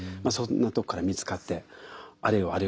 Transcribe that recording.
そんなとこから見つかってあれよ